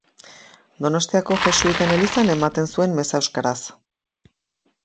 Donostiako Jesuiten elizan ematen zuen meza euskaraz.